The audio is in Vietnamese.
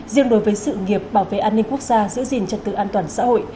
riêng đối với sự nghiệp bảo vệ an ninh quốc gia giữ gìn trật tự an toàn xã hội